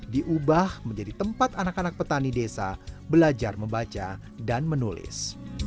diubah menjadi tempat anak anak petani desa belajar membaca dan menulis